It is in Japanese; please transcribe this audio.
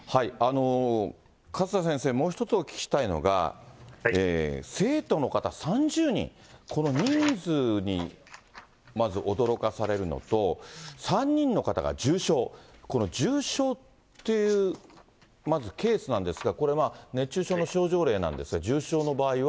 勝田先生、もう一つお聞きしたいのが、生徒の方３０人、この人数にまず驚かされるのと、３人の方が重症、この重症っていう、まずケースなんですが、これは熱中症の症状例なんですが、重症の場合は。